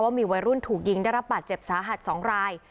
มีวัยรุ่นถูกยิงได้รับบาดเจ็บสาหัส๒ราย